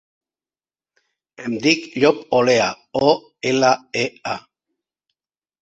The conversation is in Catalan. Em dic Llop Olea: o, ela, e, a.